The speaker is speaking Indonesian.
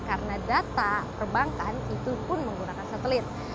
karena data perbankan itu pun menggunakan satelit